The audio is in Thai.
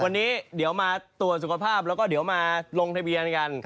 วันนี้เดี๋ยวมาตรวจสุขภาพแล้วก็เดี๋ยวมาลงทะเบียนกัน